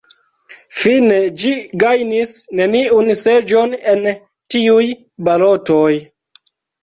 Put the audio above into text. Fine ĝi gajnis neniun seĝon en tiuj balotoj.